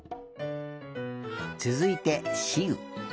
つづいてしう。